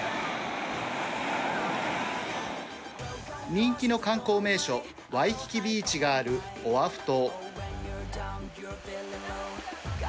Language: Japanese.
人気の観光名所ワイキキビーチがあるオアフ島。